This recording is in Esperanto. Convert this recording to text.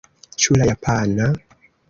Ĉu la japana?